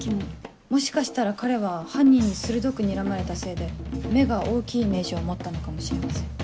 もしかしたら彼は犯人に鋭くにらまれたせいで目が大きいイメージを持ったのかもしれません。